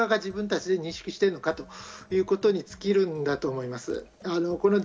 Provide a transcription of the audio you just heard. ロシア側が自分たちで認識しているのかということに尽きるんだと思います。